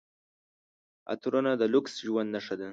عطرونه د لوکس ژوند نښه ده.